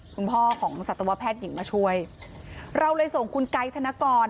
คุณพ่อของสัตวแพทย์หญิงมาช่วยเราเลยส่งคุณไกด์ธนกร